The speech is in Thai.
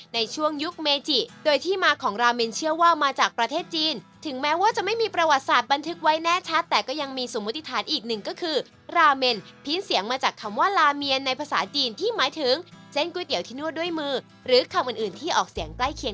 ในช่วงยุคเมจิโดยที่มาของราเมนเชื่อว่ามาจากประเทศจีนถึงแม้ว่าจะไม่มีประวัติศาสตร์บันทึกไว้แน่ชัดแต่ก็ยังมีสมมติฐานอีกหนึ่งก็คือราเมนพี้นเสียงมาจากคำว่าลาเมียนในภาษาจีนที่หมายถึงเส้นก๋วยเตี๋ยวที่นวดด้วยมือหรือคำอื่นอื่นที่ออกเสียงใกล้เคียง